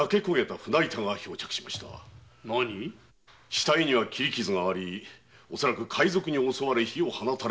死体には斬り傷があり海賊に襲われ火を放たれたものと。